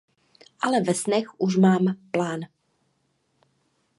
Ale ve snech už mám plán.